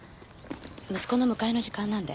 息子の迎えの時間なんで。